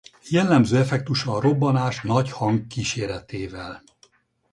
Jellemző effektusa a robbanás nagy hang kíséretével.